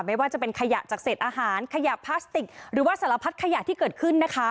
ไม่ว่าจะเป็นขยะจากเศษอาหารขยะพลาสติกหรือว่าสารพัดขยะที่เกิดขึ้นนะคะ